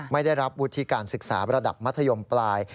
ไม่ได้รับวุฒิการศึกษาระดับมัธยมปลาย